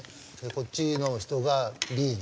こっちの人がＢね